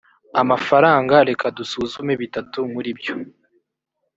amafaranga reka dusuzume bitatu muri byo